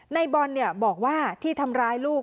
ในบอลบอกว่าที่ทำร้ายลูก